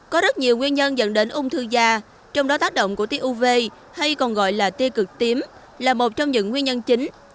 có rất nhiều nguyên nhân dẫn đến ung thư da trong đó tác động của tiêu uv hay còn gọi là tiêu cực tím là một trong những nguyên nhân chính